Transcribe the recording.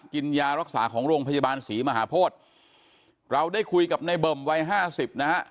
กินยารักษาของโรงพยาบาลศรีมหาโพธิเราได้คุยกับในเบิ่มวัยห้าสิบนะฮะ